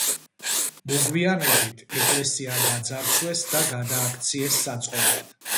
მოგვიანებით, ეკლესია გაძარცვეს და გადააქციეს საწყობად.